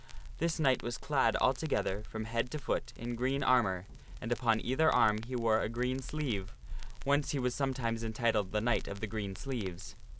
This knight was clad altogether from head to foot in green armor, and upon either arm he wore a green sleeve, whence he was sometimes entitled the Knight of the Green Sleeves.